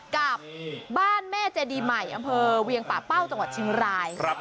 กับบ้านแม่เจดีใหม่อำเภอเวียงป่าเป้าจังหวัดเชียงราย